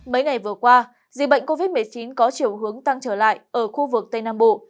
mấy ngày vừa qua dịch bệnh covid một mươi chín có chiều hướng tăng trở lại ở khu vực tây nam bộ